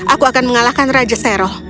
aku akan mengalahkan raja seroh